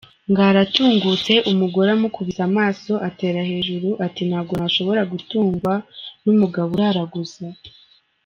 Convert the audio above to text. Ngara atungutse umugore umukubise amaso atera hejuru, ati “Ntabwo nashobora gutungwa n’umugabo uraraguza.